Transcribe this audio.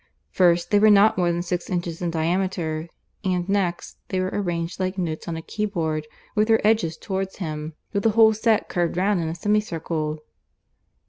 First, they were not more than six inches in diameter; and next, they were arranged, like notes on a keyboard, with their edges towards him, with the whole set curved round him in a semicircle.